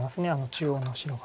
中央の白が。